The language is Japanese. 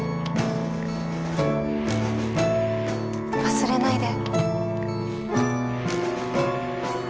忘れないで。